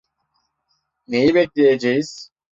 Neyi bekleyeceğiz?